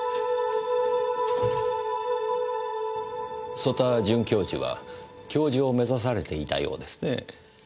曽田准教授は教授を目指されていたようですね。